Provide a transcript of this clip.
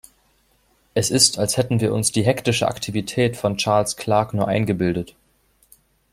Es ist, als hätten wir uns die hektische Aktivität von Charles Clarke nur eingebildet.